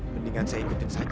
mendingan saya ikutin saja